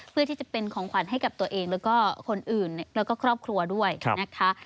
เพื่อที่จะเป็นของขวัญให้กับตัวเองแล้วก็คนอื่นแล้วก็ครอบครัวด้วยนะคะ